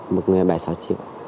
một người bảy sáu triệu